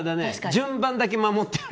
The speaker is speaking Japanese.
順番だけ守ってる。